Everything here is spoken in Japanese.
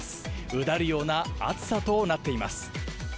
うだるような暑さとなっています。